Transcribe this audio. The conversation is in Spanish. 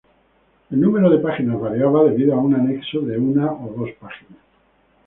El número de páginas variaba debido a un anexo de una o dos páginas.